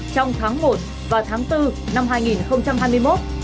trong tháng một và tháng bốn năm hai nghìn hai mươi một